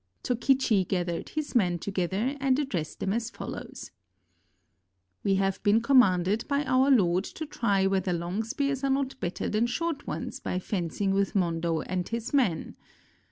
Tokichi gathered his men together and addressed them as follows: *'We have been commanded by our lord to try whether long spears are not better than short ones by fencing with Mondo and his men.